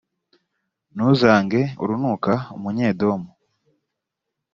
ntuzange urunuka umunyedomu,